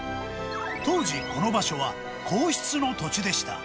当時、この場所は、皇室の土地でした。